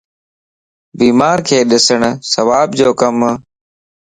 بيمارکَ ڏسڻ ثواب جو ڪمَ